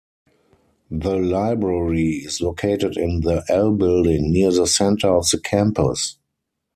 The library is located in the L building near the center of the campus.